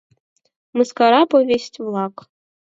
Мыскара повесть-влак